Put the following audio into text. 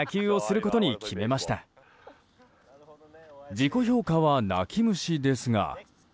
自己評価は、泣き虫ですが。